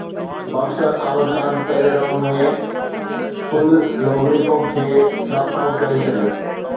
boxer Aamir Khan پهرين round ۾ Phil Lo Greco کي knock out ڪري ڇڏيو